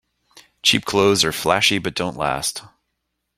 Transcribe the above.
Cheap clothes are flashy but don't last.